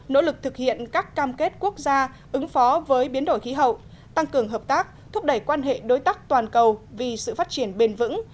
nỗ lực thực hiện các cam kết quốc gia ứng phó với biến đổi khí hậu tăng cường hợp tác thúc đẩy quan hệ đối tác toàn cầu vì sự phát triển bền vững